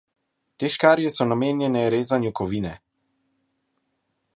Te škarje so namenjene rezanju kovine.